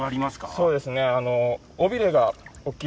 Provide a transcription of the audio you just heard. そうですね。